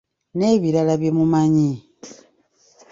N’ebirala bye mumanyi.